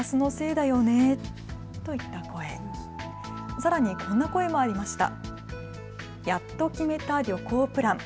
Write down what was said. さらにこんな声もありました。